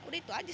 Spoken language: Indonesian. udah itu aja